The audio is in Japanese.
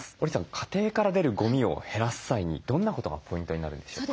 家庭から出るゴミを減らす際にどんなことがポイントになるんでしょうか？